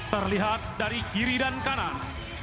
terlihat dari kiri dan kanan